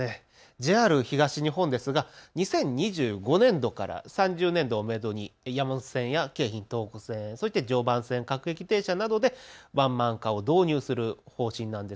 ＪＲ東日本ですが２０２５年度から３０年度をめどに山手線や京浜東北線、常磐線などで各駅停車などでワンマン化を導入する方針です。